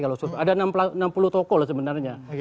ada enam puluh tokoh sebenarnya